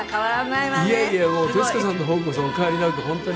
いやいやもう徹子さんの方こそお変わりなく本当に。